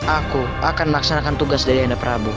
aku akan melaksanakan tugas dari anda prabu